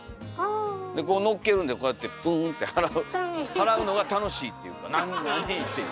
でこうのっけるんでこうやってプンって払うのが楽しいっていうか「何？」っていう。